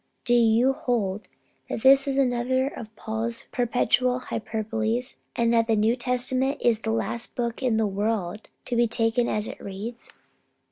Do you hold that this is just another of Paul's perpetual hyperboles, and that the New Testament is the last book in the world to be taken as it reads?